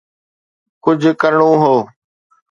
ڪجهه ڪرڻو هو.